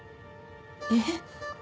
えっ？